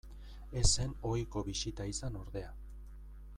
Ez zen ohiko bisita izan ordea.